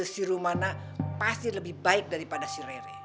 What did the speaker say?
si rumana pasti lebih baik daripada si rere